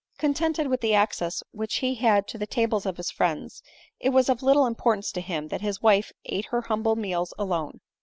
Contented with the access which h& had to the tables of his friends, it was of little importance to him that his wife ate her humble meal alone.